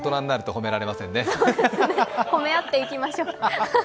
褒め合っていきましよう。